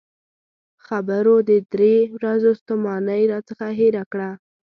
خبرو د درې ورځو ستومانۍ راڅخه هېره کړه.